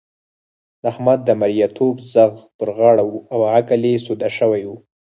د احمد د مرېيتوب ځغ پر غاړه وو او عقل يې سوده شوی وو.